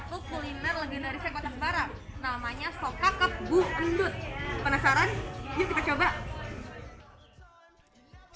namanya sob kakak bu undut penasaran yuk kita coba